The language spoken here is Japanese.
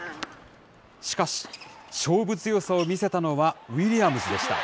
しかし、勝負強さを見せたのはウィリアムズでした。